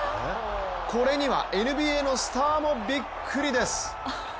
これにはＮＢＡのスターもびっくりです。